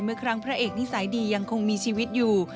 เมื่อครั้งพระเอกนิสัยดียังคงมีชีวิตอยู่